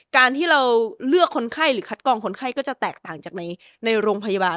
การที่เราเลือกคนไข้หรือคัดกองคนไข้ก็จะแตกต่างจากในโรงพยาบาล